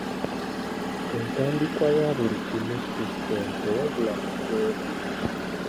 Entandikwa ya buli kimu si ssente wabula mutwe gwo.